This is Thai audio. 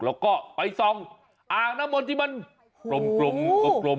แล้วก็ไปส่องอ่างน้ำมนต์ที่มันกลม